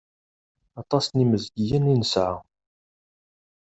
Aṭas n inmezgiyen i nesɛa.